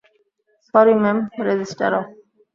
Sorry ma'am, register of.